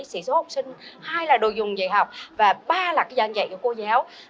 một sĩ số học sinh hai là đồ dùng dạy học và ba là giảng dạy của cô giáo